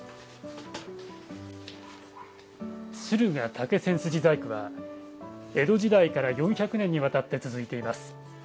駿河竹千筋細工は江戸時代から４００年にわたって続いています。